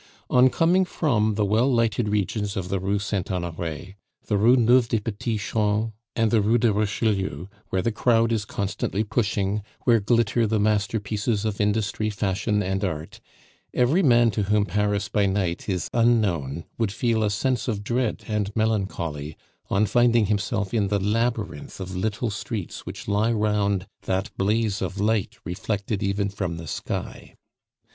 On coming from the well lighted regions of the Rue Saint Honore, the Rue Neuve des Petits Champs, and the Rue de Richelieu, where the crowd is constantly pushing, where glitter the masterpieces of industry, fashion, and art, every man to whom Paris by night is unknown would feel a sense of dread and melancholy, on finding himself in the labyrinth of little streets which lie round that blaze of light reflected even from the sky.